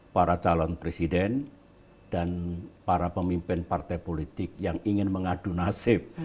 para calon presiden dan para pemimpin partai politik yang ingin mengadu nasib